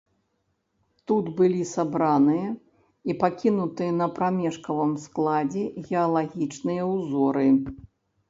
Тут былі сабраныя і пакінутыя на прамежкавым складзе геалагічныя ўзоры.